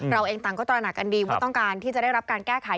เราเองต่างก็ตระหนักกันดีว่าต้องการที่จะได้รับการแก้ไข